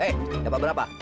eh dapat berapa